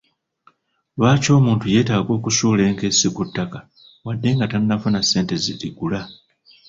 Lwaki omuntu yeetaaga okusuula enkessi ku ttaka wadde nga tannafuna ssente zirigula?